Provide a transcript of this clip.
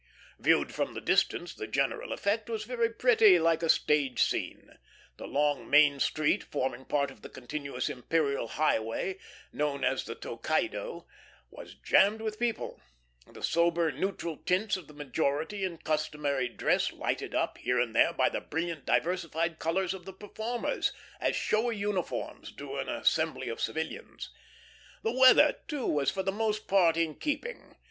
Viewed from the distance, the general effect was very pretty, like a stage scene. The long main street, forming part of the continuous imperial highway known as the Tokaido, was jammed with people; the sober, neutral tints of the majority in customary dress lighted up, here and there, by the brilliant, diversified colors of the performers, as showy uniforms do an assembly of civilians. The weather, too, was for the most part in keeping.